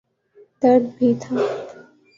درد بھی تھا۔